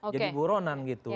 jadi buronan gitu